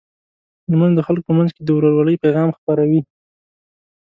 لمونځ د خلکو په منځ کې د ورورولۍ پیغام خپروي.